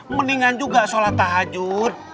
mendingan juga sholat tahajud